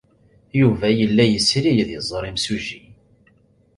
Yuba yella yesri ad iẓer imsujji.